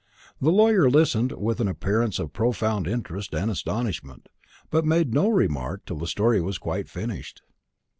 The lawyer listened with an appearance of profound interest and astonishment, but made no remark till the story was quite finished.